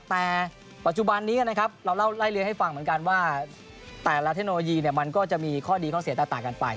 แต่ปัจจุบันนี้นะครับเราเล่าไล่เลี้ยให้ฟังเหมือนกันว่าแต่ละเทคโนโลยีมันก็จะมีข้อดีข้อเสียแตกต่างกันไป